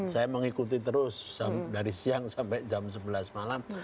saya mengikuti terus dari siang sampai jam sebelas malam